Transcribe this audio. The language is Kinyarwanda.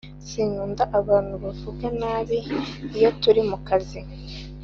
Sinkunda abantu bavuga nabi iyo turi mukazi